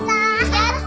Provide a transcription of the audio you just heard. やった。